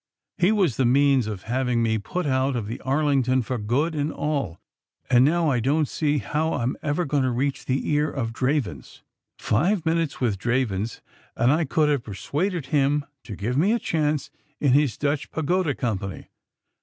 He was the means of having me put out of the Arlington for good and all, and now I don't see how I'm ever going to reach the ear of Dravens. Five minutes with Dravens, and I could have persuaded him to give me a chance in his ^ Dutch Pagoda^ company.